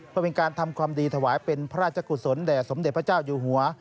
เพื่อเป็นการทำความดีถวายเป็นพระราชกุศลแด่สมเด็จพระเจ้าอยู่หัว